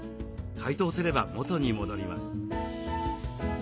解凍すれば元に戻ります。